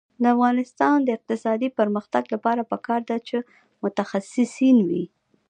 د افغانستان د اقتصادي پرمختګ لپاره پکار ده چې متخصصین وي.